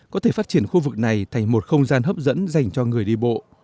có thể phát triển khu vực này thành một không gian hấp dẫn dành cho người đi bộ